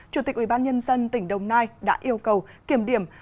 chủ tịch ủy ban nhân dân tỉnh đồng nai đã yêu cầu kiểm điểm